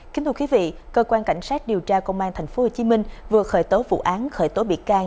kính thưa quý vị cơ quan cảnh sát điều tra công an tp hcm vừa khởi tố vụ án khởi tố bị can